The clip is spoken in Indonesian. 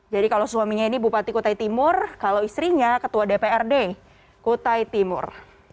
jadi kalau suaminya ini bupati kutai timur kalau istrinya ketua dprd kutai timur